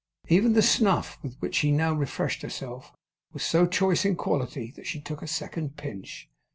Even the snuff with which she now refreshed herself, was so choice in quality that she took a second pinch.